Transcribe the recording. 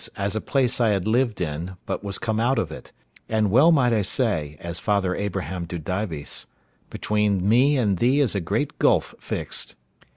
as a place I had lived in, but was come out of it; and well might I say, as Father Abraham to Dives, "Between me and thee is a great gulf fixed."